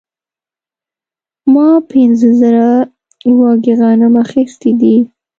ما پنځه زره وږي غنم اخیستي دي